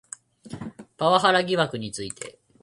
パワハラ疑惑について